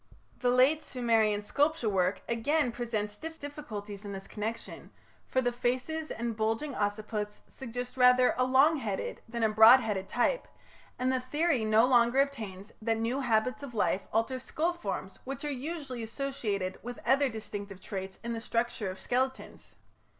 The late Sumerian sculpture work again presents difficulties in this connection, for the faces and bulging occiputs suggest rather a long headed than a broad headed type, and the theory no longer obtains that new habits of life alter skull forms which are usually associated with other distinctive traits in the structure of skeletons.